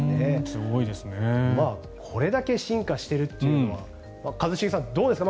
これだけ進化しているというのは一茂さん、どうですか。